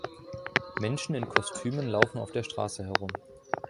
Menschen in Kostümen laufen auf der Straße herum.